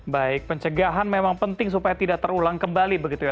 baik pencegahan memang penting supaya tidak terulang kembali begitu ya